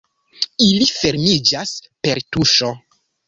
Ili fermiĝas per tuŝo.